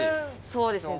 そうですね。